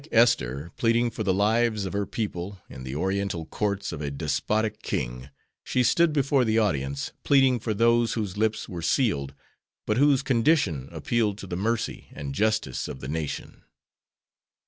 Like Esther pleading for the lives of her people in the Oriental courts of a despotic king, she stood before the audience, pleading for those whose lips were sealed, but whose condition appealed to the mercy and justice of the Nation.